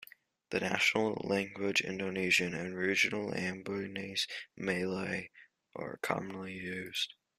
The national language Indonesian and regional Ambonese Malay are commonly used.